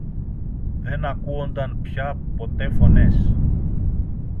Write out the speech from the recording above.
Δεν ακούουνταν πια ποτέ φωνές.